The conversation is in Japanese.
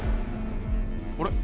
あれ？